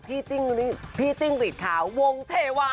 พี่จิ้งหรีดขาววงเทวา